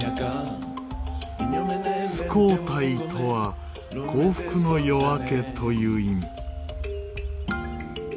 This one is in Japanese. スコータイとは幸福の夜明けという意味。